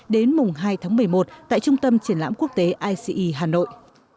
đến mùng hai tháng một mươi một tại trung tâm triển lãm quốc tế ice hà nội